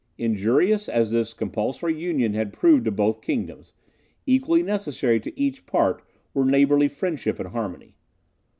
Injurious as this compulsory union had proved to both kingdoms, equally necessary to each apart were neighbourly friendship and harmony.